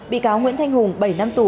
bị cáo nguyễn thanh hùng bảy năm tù